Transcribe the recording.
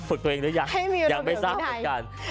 ฝึกตัวเองหรือยังยังไปสร้างกัน